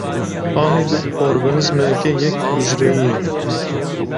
Amîb organîzmayeke yek hucreyî ye.